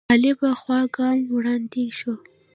غالبه خوا ګام وړاندې شو